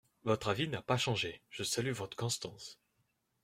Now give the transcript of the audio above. Votre avis n’a pas changé, je salue votre constance.